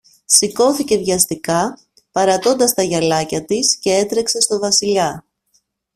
Σηκώθηκε βιαστικά, παρατώντας τα γυαλάκια της, κι έτρεξε στο Βασιλιά.